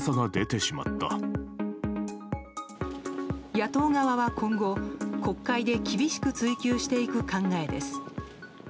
野党側は今後、国会で厳しく追及していく考えです。